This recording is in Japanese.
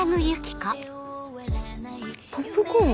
ポップコーン？